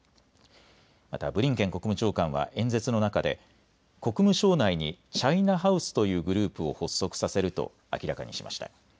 またブリンケン国務長官は演説の中で国務省内にチャイナ・ハウスというグループを発足させると明らかにしました。